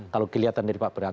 kalau kelihatan dari pak berat